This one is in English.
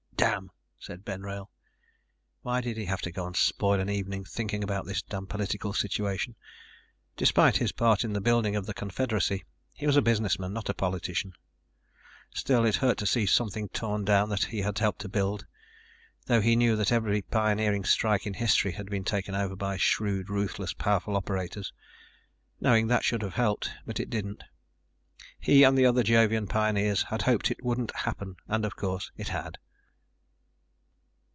"Damn," said Ben Wrail. Why did he have to go and spoil an evening thinking about this damned political situation? Despite his part in the building of the confederacy, he was a businessman, not a politician. Still, it hurt to see something torn down that he had helped to build, though he knew that every pioneering strike in history had been taken over by shrewd, ruthless, powerful operators. Knowing that should have helped, but it didn't. He and the other Jovian pioneers had hoped it wouldn't happen and, of course, it had.